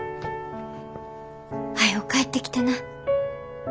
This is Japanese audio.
はよ帰ってきてな。